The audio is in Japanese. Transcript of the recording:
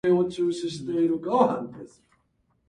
アイスクリーム